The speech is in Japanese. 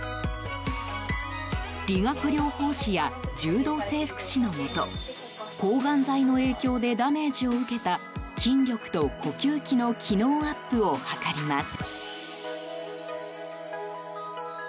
理学療法士や柔道整復師のもと抗がん剤の影響でダメージを受けた筋力と呼吸器の機能アップを図ります。